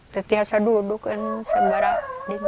tertiasa duduk sembarang